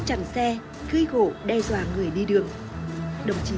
trả lời cho đối tượng nguyễn thần sang